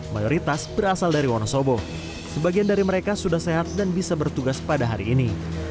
mayoritas berasal dari wonosobo sebagian dari mereka sudah sehat dan bisa bertugas pada hari ini